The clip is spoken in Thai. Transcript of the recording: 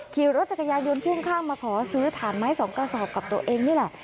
ขี่รถจักรยานยนต์พ่วงข้างมาขอซื้อถ่านไม้สองกระสอบกับตัวเองนี่แหละ